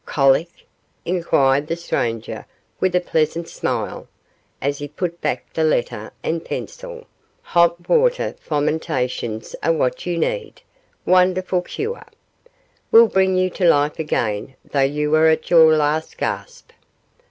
'Colic?' inquired the stranger with a pleasant smile, as he put back the letter and pencil, 'hot water fomentations are what you need. Wonderful cure. Will bring you to life again though you were at your last gasp.